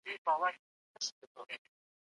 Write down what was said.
بې طرفي د یو عالم صفت دی.